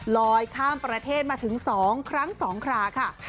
ลอยข้ามประเทศมาถึง๒ครั้ง๒คราค่ะ